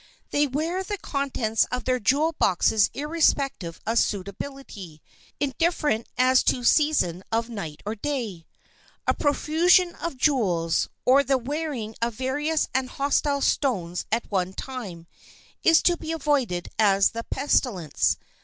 They wear the contents of their jewel boxes irrespective of suitability, indifferent as to season of night or day. A profusion of jewels, or the wearing of various and hostile stones at one time, is to be avoided as the pestilence.